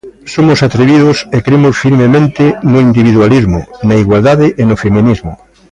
Somos atrevidos e cremos firmemente no individualismo, na igualdade e no feminismo.